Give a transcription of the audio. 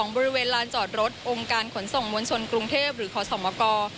บริเวณลานจอดรถองค์การขนส่งมวลชนกรุงเทพหรือขอสมก